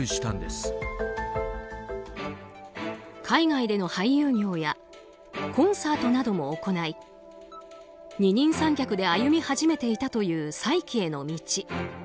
海外での俳優業やコンサートなども行い二人三脚で歩み始めていたという再起への道。